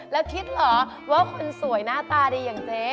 แล้วคิดเหรอว่าคนสวยหน้าตาดีอย่างเจ๊